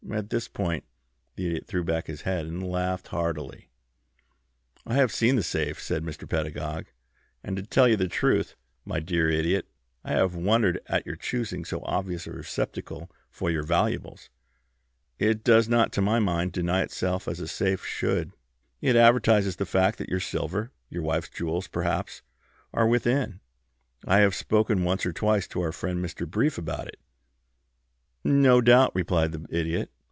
At this point the Idiot threw back his head and laughed heartily. "I have seen the safe," said Mr. Pedagog, "and to tell you the truth, my dear Idiot, I have wondered at your choosing so obvious a receptacle for your valuables. It does not, to my mind, deny itself as a safe should. It advertises the fact that your silver, your wife's jewels perhaps, are within. I have spoken once or twice to our friend Mr. Brief about it." "No doubt," replied the Idiot.